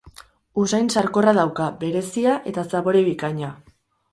Usain sarkorra dauka, berezia, eta zapore bikaina.